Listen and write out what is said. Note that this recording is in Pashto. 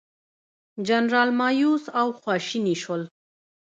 جنرالان مأیوس او خواشیني شول.